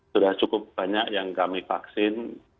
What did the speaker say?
sudah cukup banyak yang kami vaksin